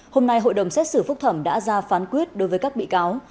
hôm nay hội đồng xét xử phúc thẩm đã ra phán quyết đối với các bị cáo